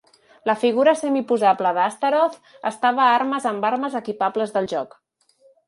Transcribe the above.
La figura semiposable de Astaroth estava armes amb armes equipables del joc.